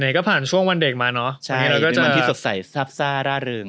ก็ผ่านช่วงวันเด็กมาเนอะใช่เราก็จะวันที่สดใสซับซ่าร่าเริง